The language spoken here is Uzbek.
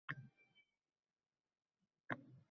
Tanining xotini oq, to`ladan kelgan